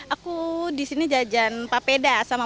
aku disini jajan papeda sama